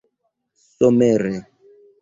somere